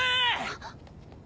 あっ。